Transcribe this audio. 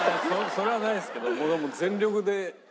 それはないですけど。